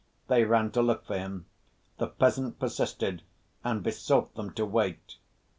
They ran to look for him. The peasant persisted and besought them to wait.